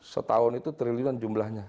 setahun itu triliunan jumlahnya